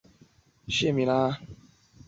威廉难辞其咎。